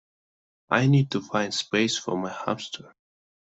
I need to find space for my hamster